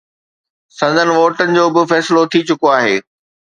سندن ووٽن جو به فيصلو ٿي چڪو آهي